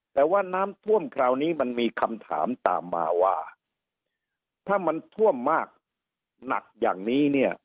แต่ว่าน้ำท่วมคราวนี้มันมีคำถามตามมาว่าถ้ามันท่วมมากหนักอย่างนี้เนี่ย